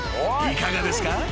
いかがですか？］